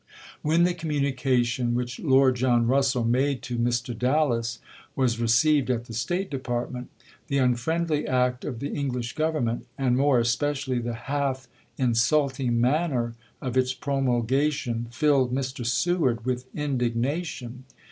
When the communication which Lord John Rus sell made to Mr. Dallas was received at the State Department, the unfriendly act of the English Gov ernment, and more especially the half insulting manner of its promulgation, filled Mr. Seward with indignation.